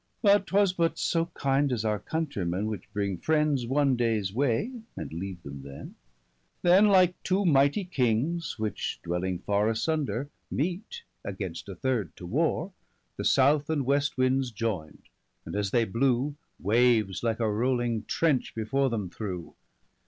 But 'twas but so kinde, as our countrimen, Which bring friends one dayes way, and leave them then. Then like two mighty Kings, which dwelling farre 25 Asunder, meet against a third to warre, The South and West winds joyn'd, and, as they blew, Waves like a rowling trench before them threw.